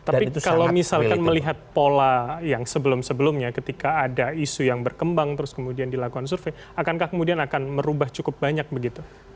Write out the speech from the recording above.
tapi kalau misalkan melihat pola yang sebelum sebelumnya ketika ada isu yang berkembang terus kemudian dilakukan survei akankah kemudian akan merubah cukup banyak begitu